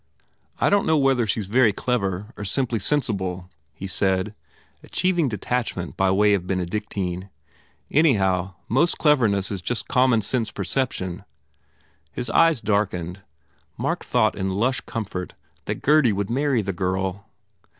"I don t know whether she s very clever or sim ply sensible," he said, achieving detachment by way of Benedictine. "Anyhow, most cleverness is just common sense perception." His eyes darkened. Mark thought in lush comfort that Gurdy would marry the girl.